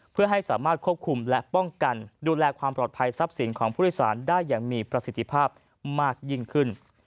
เพื่อให้สามารถควบคุมและป้องกันดูแลความปลอดภัยทรัพย์สินของผู้โดยสารได้อย่างมีประสิทธิภาพมากยิ่งขึ้น